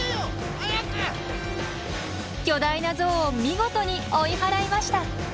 巨大なゾウを見事に追い払いました！